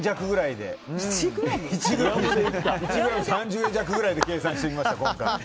１ｇ３０円弱くらいで計算してみました。